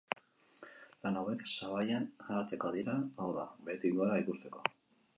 Lan hauek sabaian jartzeko dira, hau da, behetik gora ikusteko.